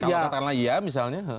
kalau katakanlah iya misalnya